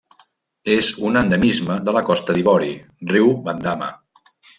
És un endemisme de la Costa d'Ivori: riu Bandama.